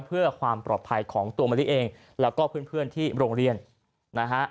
เพื่อความปลอดภัยของตัวมะลิเองแล้วก็เพื่อนที่โรงเรียนนะฮะ